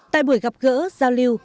tại buổi gặp gỡ giao lưu